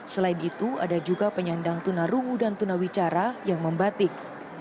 selain itu ada juga penyandang tuna rungu dan tuna wicara yang membatik